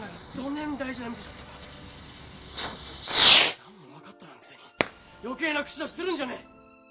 何も分かっとらんくせに余計な口出しするんじゃねえ！